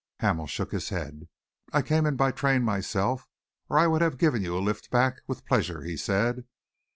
Hamel shook his head. "I came in by train myself, or I would have given you a lift back, with pleasure," he said.